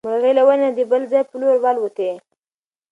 مرغۍ له ونې نه د بل ځای په لور والوتې.